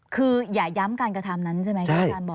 คืออย่าย้ำการกระทำนั้นใช่ไหม